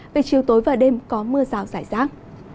về chiều tối và đêm có mưa rào rải rác